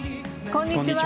こんにちは。